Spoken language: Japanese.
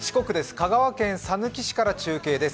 香川県さぬき市から中継です。